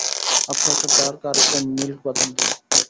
আচ্ছা একটা ডার্ক আর একটা মিল্ক-বাদাম দিন।